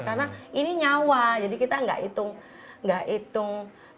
karena ini nyawa jadi kita tidak hitung jumlah